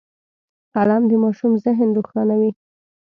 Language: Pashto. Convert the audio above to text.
قلم د ماشوم ذهن روښانوي